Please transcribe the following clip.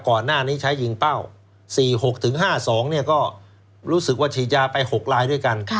ก่อนหน้านี้ใช้ยิงเป้า๔๖๕๒ก็รู้สึกว่าฉีดยาไป๖ลายด้วยกัน